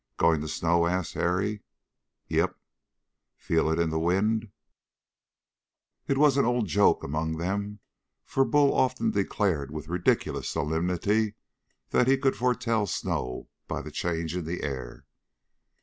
"Going to snow?" asked Harry. "Yep." "Feel it in the wind?" It was an old joke among them, for Bull often declared with ridiculous solemnity that he could foretell snow by the change in the air.